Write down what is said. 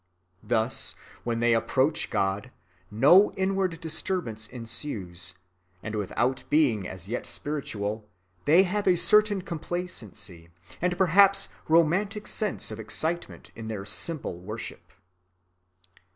Thus, when they approach God, no inward disturbance ensues; and without being as yet spiritual, they have a certain complacency and perhaps romantic sense of excitement in their simple worship."